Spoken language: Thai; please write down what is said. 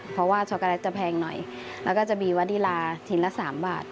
เพราะว่าช็อกโกแลตจะแพงหน่อยแล้วก็จะมีวาดีลาถิ่นละ๓บาท